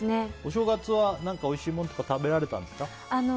お正月は何かおいしいものとか食べられたんですか？